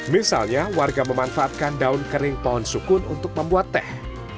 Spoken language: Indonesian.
misalnya warga memanfaatkan daun kering pohon sukun untuk membuat teh